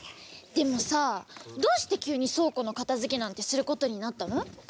でもさどうしてきゅうにそうこのかたづけなんてすることになったの？